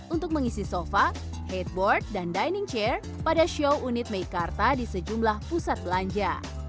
untuk mengisi sofa hateboard dan dining chair pada show unit meikarta di sejumlah pusat belanja